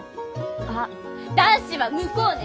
あっ男子は向こうね！